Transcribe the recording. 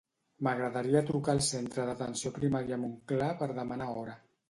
M'agradaria trucar al centre d'atenció primària Montclar per demanar hora.